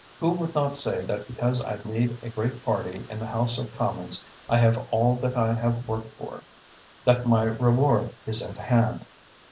Who would not say that because I lead a great party in the House of Commons, I have all that I have worked for, that my reward is at hand?